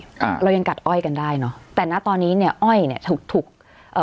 อ่าเรายังกัดอ้อยกันได้เนอะแต่นะตอนนี้เนี้ยอ้อยเนี้ยถูกถูกเอ่อ